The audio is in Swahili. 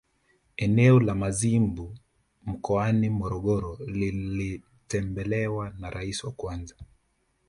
Eneo la Mazimbu mkoani Morogoro lilitembelewa na Rais wa kwanza